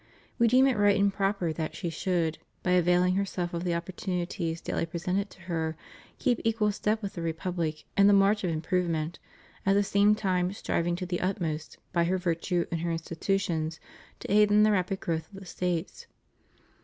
We deem it right and proper that she should, by availing herself of the opportunities daily presented to her, keep equal step with the Republic in the march of improvement, at the same time striving to the utmost, by her virtue and her institutions, to aid in the rapid growth of the States.